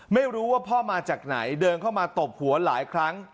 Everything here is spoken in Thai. ไม่รู้ว่าพ่อมาจากไหนเดินเข้ามาตบหัวหลายครั้ง